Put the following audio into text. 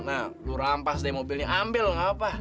nah lo rampas deh mobilnya ambil ga apa